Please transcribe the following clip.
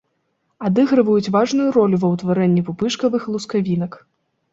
Адыгрываюць важную ролю ва ўтварэнні пупышкавых лускавінак.